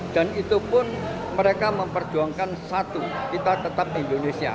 dan itu pun mereka memperjuangkan satu kita tetap indonesia